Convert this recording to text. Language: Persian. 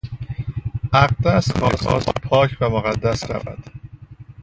اقدس میخواست پاک و مقدس شود.